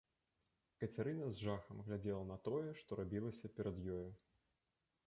Кацярына з жахам глядзела на тое, што рабілася перад ёю.